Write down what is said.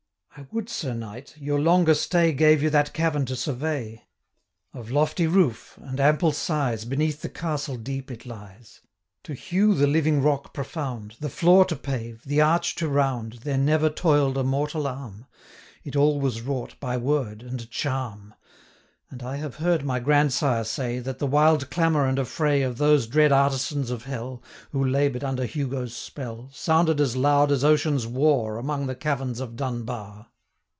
I would, Sir Knight, your longer stay Gave you that cavern to survey. 335 Of lofty roof, and ample size, Beneath the castle deep it lies: To hew the living rock profound, The floor to pave, the arch to round, There never toil'd a mortal arm, 340 It all was wrought by word and charm; And I have heard my grandsire say, That the wild clamour and affray Of those dread artisans of hell, Who labour'd under Hugo's spell, 345 Sounded as loud as ocean's war, Among the caverns of Dunbar.